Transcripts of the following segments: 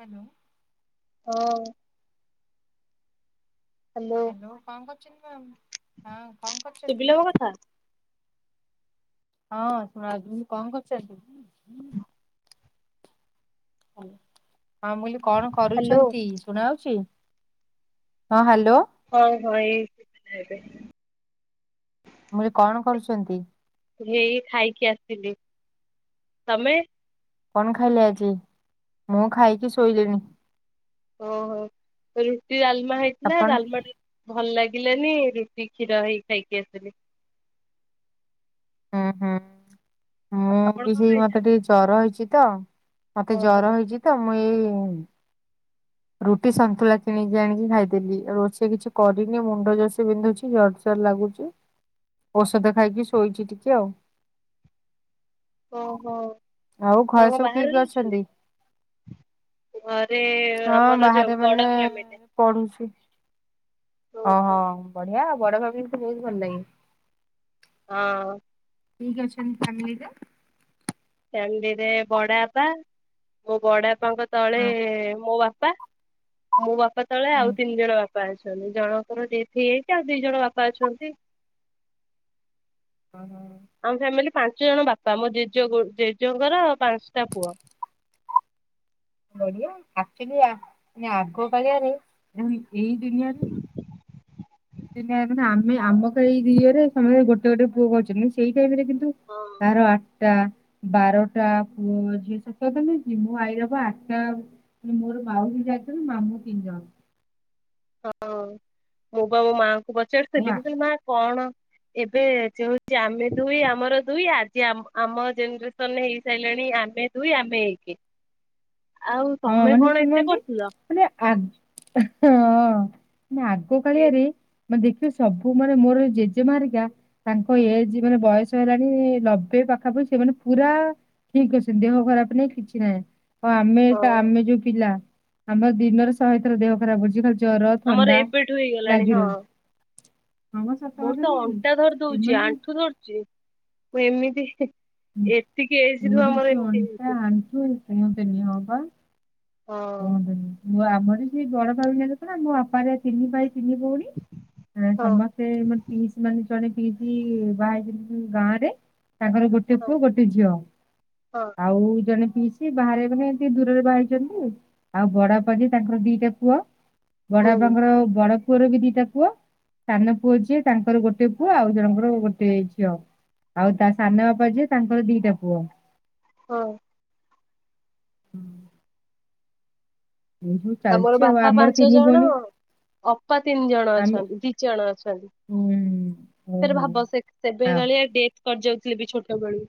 Hello. ହଁ -ଅଁ। Hello. ହୋ କଣ କର୍ ଚନ୍ତି ମ୍ୟାମ୍, ହଁ କଣ କର୍ ଚନ୍ତି? ଶୁଭିଲା ମୋ କଥା? [unintelligible] ହଁ ମୁ କହିଲି କଣ ହ୍ୟାଲୋ କରୁଛନ୍ତି? ଶୁଣାଯାଉଛି ହଁ ହ୍ୟାଲୋ। ହଁ ହଁ ଏଇ ଏବେ। ମୁଁଏ କଣ କରୁଛନ୍ତି? ହେଇ ଖାଇକି ଆସିଲି ତମେ? କଣ ଖାଇଲେ ଆଜି? ମୁଁ ଖାଇକି ଶୋଇଲିଣି। ଓହୋ ରୁଟି ଡାଲମା ହେଇଥିଲା ଆପଣ? ଡାଲମା ଟେ ଭଲ ଲାଗିଲାନି ରୁଟି କ୍ଷୀର ହେଇ ଖାଇକି ଆସିଲି। ହୁଁ ହୁଁ ମୁଁ ଆପଣ ବି କଣ ସେଇ ମତେ ଖାଇଛନ୍ତି? ଟିକେ ଜର ହେଇଛି ତ ମତେ ଜର ଓହୋ ହେଇଛି ତ ମୁଁ ଏଇ ରୁଟି ସନ୍ତୁଳା କିଣିକି ଆଣିକି ଖାଇଦେଲି। ରୋଷେଇ କିଛି କରିନି ମୁଣ୍ଡ ଜୋରସେ ବିନ୍ଧୁଛି ଯାଉଚି ଲାଗୁଛି ଔଷଧ ଖାଇକି ଶୋଇଛି ଟିକେ ଆଉ। ଓହୋ ଆଉ ଆପଣ ଘରେ କଣ ସବୁ କିଏ ବାହାରେ କିଏ ରହୁଛନ୍ତି? ଅଛନ୍ତି? ଘରେ ହଁ ଆମର ଯୋଉ ବାହାରେ ମାନେ ବଡ ଫ୍ୟାମିଲି। ପଢୁଛି। ଓହୋ ବଢିଆ ଆଉ ବଡ ଫ୍ୟାମିଲି ତ ବହୁତ ଭଲ ଲାଗେ। ହଁ। କିଏ କିଏ ଅଛନ୍ତି ଫ୍ୟାମିଲି ରେ? ଫ୍ୟାମିଲିରେ ବଡା ବାପା ମୋ ବଡା ବାପାଙ୍କ ତଳେ ହଁ ମୋ ବାପା ମୋ ବାପା ତଳେ ହୁଁ ଆଉ ତିନି ଜଣ ଵା ବାପା ଅଛନ୍ତି ଜଣଙ୍କର ଡେଥ୍ ହେଇଯାଇଛି। ଆଉ ଦି ଜଣ ବାପା ଅଛନ୍ତି। ଅହ। ଆମ ଫ୍ୟାମିଲି ପାଞ୍ଚ ଜଣ ବାପା ମୋ ଜେଜେ ଜେଜେଙ୍କର ପାଞ୍ଚଟା ପୁଅ। ବଢିଆ ଆକ୍ଚୁଲି ଆ ଆଗକାଳିଆରେ ଆମେ ଏଇ ଦୁନିଆରେ [unintelligible] ଆମେ ଆମ ଏଇରେ ସମସ୍ତେ ଗୋଟେ ଗୋଟେ ପୁଅ କରୁଛନ୍ତି। ସେଇ ଟାଇମ ରେ କିନ୍ତୁ ହଁ। କାହାର ଆଟା ବାରଟା ପୁଅ ଝିଅ ସତକଥା ନୁହଁକି, ମୁଁ ଆଇରବା ଆଟା ମୋର ମାଉସୀ ଚାରିଜଣ, ମାମୁଁ ତିନି ଜଣ। ହଁ ମୁଁ ବା ମୋ ମାଆଙ୍କୁ ଆଉ ଆ ପଚାରୁଥିଲି, ମୁଁ କହିଲି ମା କଣ? ଏବେ ଯେଉ ହଉଛି ଆମେ ଦୁଇ ଆମର ଦୁଇ। ଆଜି ଆମ ଆମ ଜେନେରେସନ ହେଇସାରିଲେଣି ଆମେ ଦୁଇ ଆମେ ଏ କେ। ଫାଙ୍କା ଅଡିଓ। ଆଉ ତମେ କଣ ଏତେ କରୁଥିଲ। [unintelligible] ମନେ ଆଗ କାଳିଆରେ ମାନେ ଦେଖିବ ସବୁ ମାନେ ମୋର ଜେଜେମା ହେରିକା ତାଙ୍କ ଏଜ୍ ମାନେ ବୟସ ହେଲାଣି ଲବେ ପାଖାପାଖି ସେମାନେ ପୁରା ଠିକ ଅଛନ୍ତି ଦେହ ଖରାପ ନାଇଁ କିଛି ନାହିଁ ଆଉ ଆମେ ହଁ ଆମେ ଯୋଉ ପିଲା ଆମର ଦିନର ଶହେ ଥର ଦେହ ଖରାପ ହଉଛି ଖାଲି ଜର ଆମର ଥଣ୍ଡା ଏବେଠୁ ହେଇଗଲାଣି ଲାଗି ହଁ। ରହୁଛି। ହଁ ମ ସତ ମୋର କଥା ତ ନୁହେଁ କି? ଅଣ୍ଟା ଧରି ଦଉଛି ସେମାନେ ଆଣ୍ଠୁ ଧରୁଛି ମୁଁ ଏମିତି ଏତିକି ଏଜ ରୁ ଆମର ଏମିତି ହେଇଛି। କୁହନ୍ତି ନି ହଁ ବା। ହଁ କୁହନ୍ତୁନି ମୁଁ ଆମର ଯିଏ ବଡ ଫ୍ୟାମିଲି ତ ନା ମୋ ବାପାରେ ତିନି ଭାଇ ତିନି ଭଉଣୀ ହଁ ସମ ସେ ମୋର ପିଇଶି ମାନେ ଜଣେ ପିଇଶି ବାହା ହେଇଛନ୍ତି ଗାଁ ରେ ତାଙ୍କର ଗୋ [inaudible] କୁ ଗୋଟେ ଝିଅ ହଁ ଆଉ ଜଣେ ପିଇଶି ସେ ବାହାରେ ମାନେ ଏମିତି ଦୂରରେ ବାହା ହେଇଛନ୍ତି ଆଉ ବଡବାପା ଯେ ତାଙ୍କର ଦିଟା ପୁଅ। ବଡ ହୁଁ ବାପାଙ୍କର ବଡ ପୁଅର ବି ଦିଟା ପୁଅ ସାନ ପୁଅ ଯିଏ ତାଙ୍କର ଗୋଟେ ପୁଅ ଆଉ ଜଣଙ୍କର ଗୋଟେ ଝିଅ। ଆଉ ତା ସାନ ବାପା ଯିଏ ତାଙ୍କର ଦିଟା ପୁଅ। ହଁ। ହୁଁ। ଆମର ଚାଲିଛି ଆଉ ବାପା ଆମର ତିନି ପାଞ୍ଚଜଣ ଭଉଣୀ ଅପା ତିନି ଜଣ ଆମେ ଅଛନ୍ତି ଦି ଜଣ ଅଛନ୍ତି। ଉଁ ଫେରେ ଓହୋ ଭାବ ସେ ସେବେ ହଁ କାଳିଆ ଡେଟ କରି ଯାଉଥିଲେ ବି ଛୋଟବେଳୁ।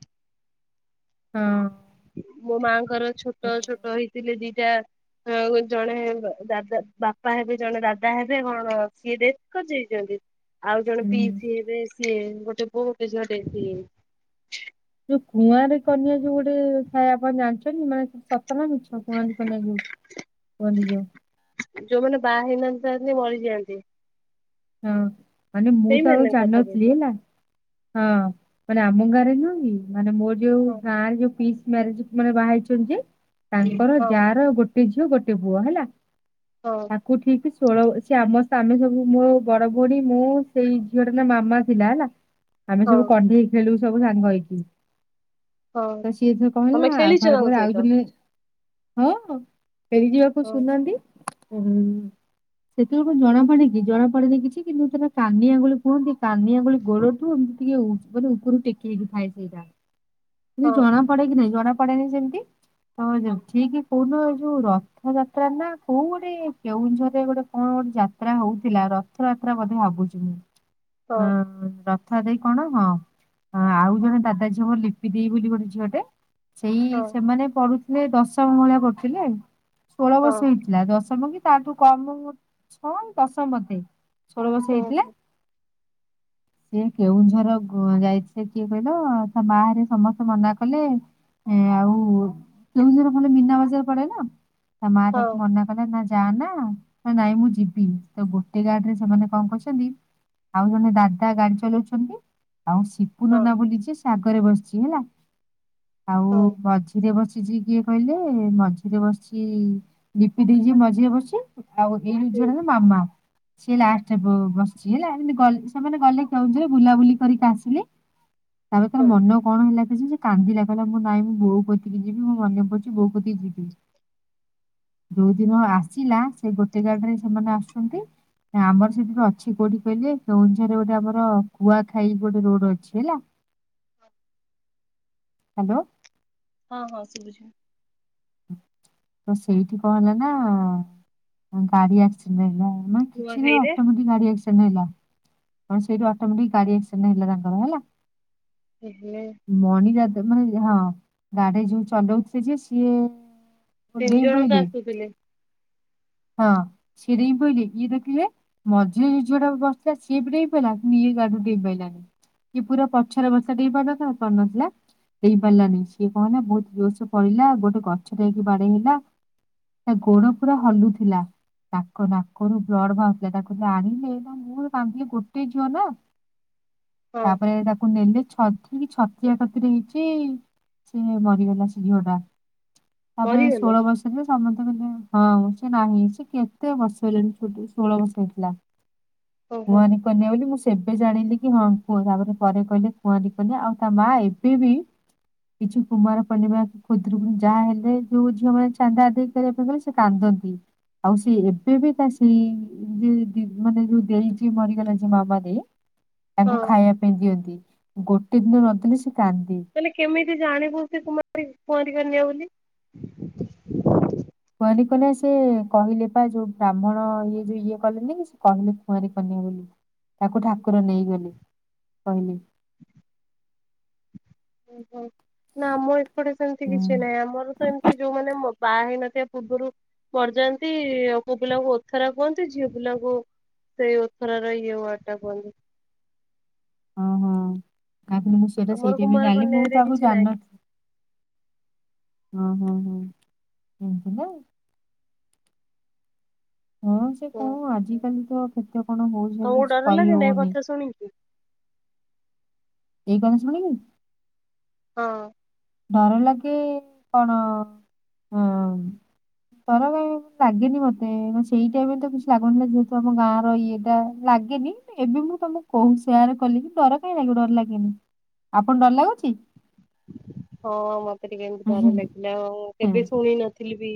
ହଁ। ମୋ ମାଆଙ୍କର ଛୋଟ ଛୋଟ ହେଇଥିଲେ ଦିଟା ଆଉ ଜଣେ ଦାଦା ବାପା ହେବେ ଜଣେ ଦାଦା ହେବେ କଣ ସିଏ ଡେଥ କରିଯାଇଛନ୍ତି? ଆଉ ଜଣେ ହୁଁ। ପିଇସି ହେବେ ସିଏ ଗୋଟେ ପୁଅ ଗୋଟେ ଝିଅଟେ ସିଏ ଯୋଉ କୁଆଁରୀ କନ୍ୟା ଯୋଉ ଗୋଟେ ଥାଏ ଆପଣ ଜାଣିଛନ୍ତି ମାନେ ସତ ନା ମିଛ କୁଆଁରୀ କନ୍ୟା ଯଉ ବନିଯାଉ। ଯୋଉମାନେ ବାହା ହେଇନାହାନ୍ତି ଥାଆନ୍ତି ମରିଯାଆନ୍ତି। ହଁ ମାନେ ମୁଁ ତ ଆଉ ସେଇମାନେ କଥା ଜାଣନଥିଲି କହୁଛ ହେଲା। ହଁ ମାନେ ଆମ ଗାଁରେ ନୁହଁକି ମାନେ ମୋର ଯଉ ହଁ ଗାଁରେ ଯୋଉ ପିଇସି ମ୍ୟାରେଜ ମାନେ ବାହା ହେଇଛନ୍ତି ଜିଏ ତାଙ୍କର ହଁ ଯାର ଗୋଟେ ଝିଅ ଗୋଟେ ପୁଅ ହେଲା। ହଁ। ତାକୁ ଠିକ ଷୋଳ ସେ ଆମେ ସାମେ ସବୁ ମୋ ବଡ ଭଉଣୀ ମୁଁ ସେଇ ଝିଅଟା ନା ମାମା ଥିଲା ହେଲା ଆମେ ହଁ ସବୁ କଣ୍ଢେଇ ଖେଳୁସବୁ ସାଙ୍ଗ ହେଇକି ହଁ ତ ସିଏ ଥରେ କଣ ତମେ ହେଲା ଆଉ ଖେଳିଛ ଘର ତାଙ୍କ ପାଖରେ ଆଉ ସହିତ? ଦିନେ ହଁ ଫେରି ଯିବାକୁ ହଁ ସୁୁନାହାଁନ୍ତି। ଉ ସେତବେଳକୁ ଜଣାପଡେ କି ଜଣାପଡେନି କିଛି କିନ୍ତୁ ସେଟା କାନି ଆଙ୍ଗୁଳି କୁହନ୍ତି କାନିଆଙ୍ଗୁଳି ଗୋଡ଼ଠୁ ଏମିତି ଟିକେ ଉ ମାନେ ଉପରୁ ଟେକି ହେଇକି ଥାଏ ସେଇଟା। କିନ୍ତୁ ଜଣା ହଁ ପଡେକି ନାଇ ଜଣା ପଡେନାଇଁ ସେମିତି। ହ ଯାଉ ଠିକ କହୁଦିନ ଏ ଯୋଉ ରଥ ଯାତ୍ରା ନା କୋଉ ଗୋଟେ କେଉଁଝରରେ ଗୋଟେ କଣ ଗୋଟେ ଯାତା ଯାତ୍ରା ହଉଥିଲା ରଥଯାତ୍ରା ବଧେ ମଧ୍ୟ ଭାବୁଛି ମୂଁ। ହଁ ରଥଯାତ୍ରା କି କଣ ହଁ ଆଉ ଜଣେ ଦାଦା ଝିଅ ବୋଲି [inaudible] ବୋଲି ଗୋଟେ ଝିଅଟେ ସେଇ ହଁ ସେମାନେ ପଢୁଥିଲେ ଦଶମ ଭଳିଆ ପଢୁଥିଲେ। ଷୋହଳ ହଁ ବର୍ଷ ହେଇଥିଲା ଦଶମ କି ତାଠୁ କମ ଛ ଦଶମ ବଧେ। ଷୋଳ ବର୍ଷ ହେଇଥିଲା ହଁ ସିଏ କେଉଁଝର ଯାଇଥିଲେ କିଏ କହିଲ ତା ମାଆ ଘରିକା ସମସ୍ତେ ମନା କଲେ ଏ ଆଉ କେଉଁଝରରେ ଭଲ ମୀନା ବଜାର ପଡେ ନା। ତା ମା ତାକୁ ହଁ ମନା କହିଲେ ନା ଯାଆନା ନାଇଁ ମୁଁ ଯିବି ତ ଗୋଟେ ଗାଡିରେ ସେମାନେ କଣ କରଛନ୍ତି ଆଉ ଜଣେ ଦାଦା ଗାଡି ଚଲଉଛନ୍ତି ଆଉ ସିପ ହଁ ସିପୁନନା ବୁଲିଜିଏ ସେ ଆଗରେ ବସିଛି ହେଲା ଆଉ ହଁ ମଝି ମଝିରେ ବସିଛି କିଏ କହିଲେ ମଝିରେ ବସିଛି ଲିପି ଦେଇ ଯିଏ ମଝିରେ ବସିଛି ଆଉ ଏଇ ହୁଁ ଝିଅଟା ହେଲା ମାମା ସିଏ ଲାଷ୍ଟରେ ବସିଛି ହେଲା ଏମତି ଗ ସେମାନେ ଗଲେ କେଉଁଝର ବୁଲାବୁଲି କରିକି ଆସିଲେ ତାପରେ ହଁ ତାର ହଁ ମନ କଣ ହେଲା କେଜାଣି ସେ କାନ୍ଦିଲା କିହିଲା ମୁଁ ନାଇଁ ମୁଁ ବୋଉ କତିକି ଯିବି ମୋ ମନେ ପଡୁଛି ବୋଉ କତିକି ଯିବି। ଯୋଉ ଦିନ ଆସିଲା ସେ ଗୋଟେ ଗାଡି ରେ ସେମାନେ ଆସନ୍ତି। ନା ଆମର ସେଠୁ ଅଛି କୋଉଠି କହିଲେ? କେଉଁଝରେ ଗୋଟେ ଆମର କୁଆଖାଇ ଗୋଟେ ରୋଡ ଅଛି ହେଲା। ହ୍ୟାଲୋ ହଁ ହଁ ଶୁଭୁଛି। ତ ସେଇଠି କଂ ହେଲା ନା ଗାଡି ଆସି ନା କିଛି ନୁହେଁ ନୂଆଖାଇରେ ଅଟୋମେଟିକ - - ଗାଡି ଆକ୍ସିଡେଣ୍ଟ ହେଲା ସେଇଠି ଅଟୋମେଟିକ ଗାଡି ଆକ୍ସିଡେଣ୍ଟ ହେଲା ତାଙ୍କର ହେଲା। ଏ ହେ ମଣି ଦାଦା ମାନେ ହଁ ଗାଡି ଯୋଉ ଚଲଉଉଥିଲେ ଯେ ସିଏ ତିନି ଡେଇଁ ଜଣ ତ ପଇଲେ ଆସୁଥିଲେ। ହଁ ସେରେ ପାଇଲି କିଏ ଡାକିବେ? ମଝିରେ ଯୋଉ ଝିଅଟା ବସିଥିଲା ସିଏ ଡେଇଁ ପଇଲା ଇଏ ଗାଡି ଡେଇିଁ ପାଇଲାନି। କି ପୁରା ପଛରେ ବସିଥିଲା ଡେଁଇପାରନଥାନ୍ତା ପାରୁନଥିଲା। ଡେଁପାରିଲାନି ସିଏ କଣ ହେଲା ବହୁତ ଜୋରସ ପଡିଲା ଗୋଟେ ଗଛରେ ଯାଇକି ବାଡେଇ ହେଲା। ତା ଗୋଡ ପୁରା ହଲୁ ତାଙ୍କ ନାକରୁ ବ୍ଲଡ ବାହାରୁଥିଲା ତାକୁ ଆଣିଲେ ନା ମୁଁ କାନ୍ଦିଲି ଗୋଟେ ଝିଅ ନା। ହଁ ତାପରେ ତାକୁ ନେଲେ ଛ- - ଛତିଆ କତିରେ ହେଇଛି ସେ ମରିଗଲା ସେ ଝିଅ ଟା। ତାପରେ ମରିଗଲେ ଷୋହଳ ବର୍ଷ ହେ ସମସ୍ତେ ହଁ। ନାହିଁ ସେ କେତେ ବର୍ଷ ହେଲାଣି ଷୋହଳ ବର୍ଷ ହେଇଥିଲା। ଓହୋ କୁଆଂରି- - କନିଆ ବୋଲି ମୁଁ ସେବେ ଜାଣିଲି କି ହଁ କୁହ ତାପରେ ପରେ କହିଲେ କୁଆଁରି କନ୍ୟା ଆଉ ତା ମା ଏବେ ବି କିଛି କୁମାର ପୂର୍ଣିମା ଖୁଦୁରୁକୁଣି ଯାହା ହେଲେ ଯୋଉ ଝିଅମାନେ ଚାନ୍ଦା ଆଦେଇ କରିବା ପାଇଁ ଗଲେ ସେ କାନ୍ଦନ୍ତି। ହୁଁ ଆଉ ସେ ଏବେ ବି ତା ସେଇ ଯେ ଦେଇ ଯେ ମରିଗଲା ଯେ ମାମା ଦେଇ। ତାଙ୍କୁ ହଁ ଖାଇବା ପାଇଁ ଦିଅନ୍ତି ଗୋଟେ ଦିନ ନଦେଲେ ସେ କାନ୍ଦେ। ମାନେ କେମିତି ଜାଣିବୁ ସେ କୁମାରି କୁଆଁରି କନ୍ୟା ବୋଲି। କୁଆଁରୀ କନ୍ୟା ସେ କହିଲେ ପା ଯୋଉ ବ୍ରାହ୍ମଣ ଇଏ ଯୋଉ ଇଏ କଲେନି କି ସେ କହିଲେ କୁଆଁରୀ କନ୍ୟା ବୋଲି। ତାକୁ ଠାକୁର ନେଇଗଲେ କହିଲେ। ଓହୋ ନା ଆମ ଏପଟେ ସେମତି ହୁଁ କିଛି ନାହିଁ। ଆମର ତ ଏମିତି ଯୋଉମାନେ ମ - - ବାହା ହେଇନଥିବା ପୂର୍ବରୁ ମଡଯାନ୍ତି ପୁଅ ପିଲାଙ୍କୁ ଓଥରା କୁହନ୍ତି ଝିଅ ପିଲାଙ୍କୁ- - ସେଇ ଓଥରା ର ଏଇ ୱାଡ଼ ଟା କୁହନ୍ତି। ଓଁ ହଁ କ ମୁଁ ସେଟ ରେ ଆମର ବି କୁମାର ଜାଣିଲି ମୁଁ କନ୍ୟାରେ ତ ଆଗକୁ କିଛି ନାହିଁ। ଜାଣିନ ଓଁ ହୋଁ ହୁଁ ଏମତି ନା? ହଁ ସେ ହୁଁ କଣ ଆଜିକାଲି ତ କେତେ କଣ ହଉଚି ତମକୁ ବୋଲି ଡର ଲାଗେନି ଏ କହିହଉନି। କଥା ଶୁଣିକି। ଏଇ ଗଣେଶ ମଣି କି? ହଁ ଡର ଲାଗେ କଣ ଅ। ତର କ ଲାଗେନି ମତେ ସେଇ ଟାଇମରେ ତ କିଛି ଲାଗନ୍ତିନି। ନା ଯେହେତୁ ଆମ ଗାଁ ର ଇଏଟା। ଲାଗେନି ଏବେ ମୁଁ ତମକୁ କହୁ ସେୟାର କଲି କି ଡର କାହିଁ ଲାଗିବ ଡର ଲାଗେନି। ଆପଣ ଡର ଲାଗୁଚି। ହଁ ମତେ ଟିକେ ଏମିତି ଡର ଲାଗିଲା ଆଉ ହଁ। କେବେ ଶୁଣି ନଥି- - ଥିଲି ବି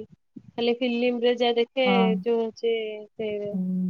ଖାଲି ଫିଲ୍ମରେ ଯାହା ଦେଖେ ଯୋଉ ସେ- - ହୁଁ।